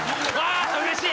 うれしい。